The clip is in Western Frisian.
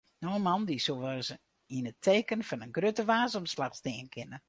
No moandei soe wolris yn it teken fan in grutte waarsomslach stean kinne.